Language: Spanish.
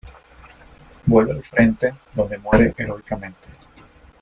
Vuelve al frente, donde muere heroicamente.